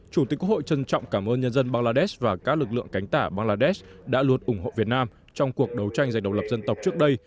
chủ tịch quốc hội trân trọng cảm ơn nhân dân bangladesh và các lực lượng cánh tả bangladesh đã luôn ủng hộ việt nam trong cuộc đấu tranh dành độc lập dân tộc trước đây